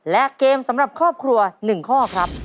และเกมสำหรับครอบครัว๑ข้อครับ